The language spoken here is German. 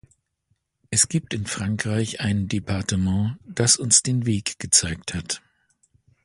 Es gibt in Frankreich ein Departement, das uns den Weg gezeigt hat.